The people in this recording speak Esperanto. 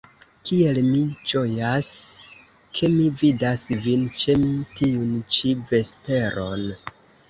Kiel mi ĝojas, ke mi vidas vin ĉe mi tiun ĉi vesperon.